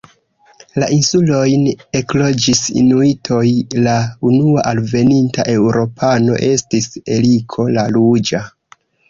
La insulojn ekloĝis inuitoj, la unua alveninta eŭropano estis Eriko la ruĝa.